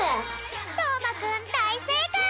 とうまくんだいせいかい！